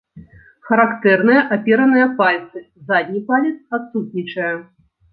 Характэрныя апераныя пальцы, задні палец адсутнічае.